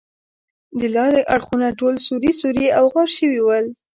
د لارې اړخونه ټول سوري سوري او غار شوي ول.